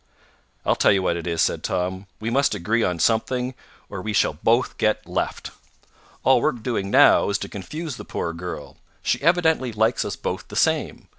"I tell you what it is," said Tom; "we must agree on something, or we shall both get left. All we're doing now is to confuse the poor girl. She evidently likes us both the same.